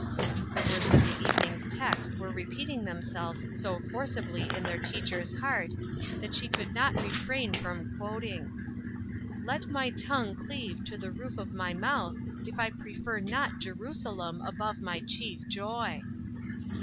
The words of the evening's text were re peating themselves so forcibly in their teacher's heart that she could not refrain from quot ing :" Let my tongue cleave to the roof of my mouth, if I prefer not Jerusalem above my chief joy."